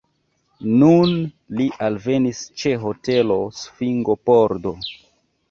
Nun li alvenis ĉe hotela svingopordo.